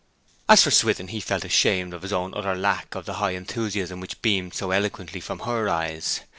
As for Swithin, he felt ashamed of his own utter lack of the high enthusiasm which beamed so eloquently from her eyes.